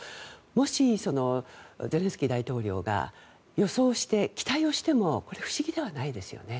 もし、ゼレンスキー大統領が予想して期待をしてもこれは不思議ではないですよね。